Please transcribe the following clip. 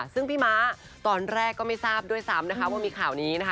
ซึ่งพี่ม้าตอนแรกก็ไม่ทราบด้วยซ้ำนะคะว่ามีข่าวนี้นะคะ